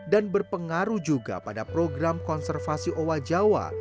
dan berpengaruh juga pada program konservasi owa jawa